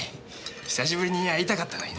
久しぶりに会いたかったのにな。